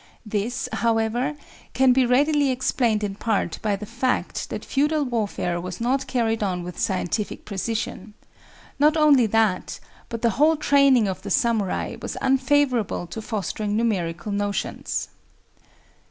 This, however, can be readily explained in part by the fact that feudal warfare was not carried on with scientific precision. Not only that, but the whole training of the samurai was unfavorable to fostering numerical notions.